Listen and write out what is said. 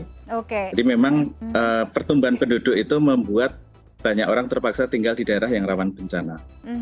jadi memang pertumbuhan penduduk itu membuat banyak orang terpaksa tinggal di daerah yang rawan bencana